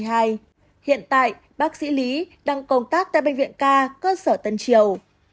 hiện tại bác sĩ lý đang công tác tại bệnh viện ca cơ sở tân triều